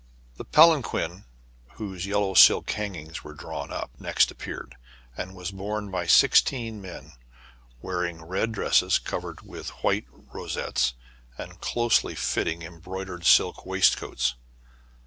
The palanquin, whose yellow silk hangings were drawn up, next appeared, and was borne by sixteen men wearing red dresses covered with white ro settes, and closely fitting embroidered silk waist coats.